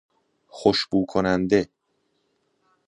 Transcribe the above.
خوشبوکننده